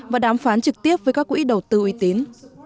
và đàm phán trực tiếp với các quỹ đầu tư uy tín